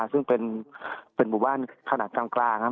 ซึ่งเป็นหมู่บ้านขนาดกลางนะครับ